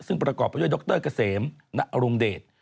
ซึ่งประกอบไปด้วยดรกระเสมนรงเดช